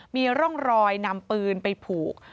มีร่องรอยนำปืนไปผูก